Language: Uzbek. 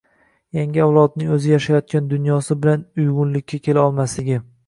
yangi avlodning o‘zi yashayotgan dunyosi bilan uyg‘unlikka kela olmasligi